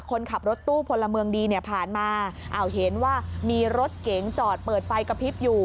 คนขับรถตู้พลเมืองดีเนี่ยผ่านมาอ้าวเห็นว่ามีรถเก๋งจอดเปิดไฟกระพริบอยู่